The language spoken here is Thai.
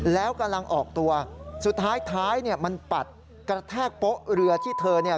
แล้วกำลังออกตัวสุดท้ายท้ายเนี่ยมันปัดกระแทกโป๊ะเรือที่เธอเนี่ย